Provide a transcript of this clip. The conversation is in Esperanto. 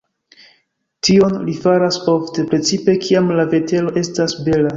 Tion li faras ofte, precipe kiam la vetero estas bela.